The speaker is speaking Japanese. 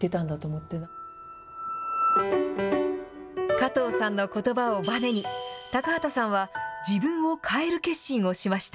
加藤さんのことばをばねに、高畑さんは自分を変える決心をしました。